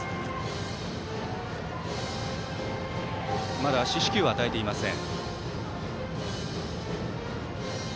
まだ四死球は与えていません。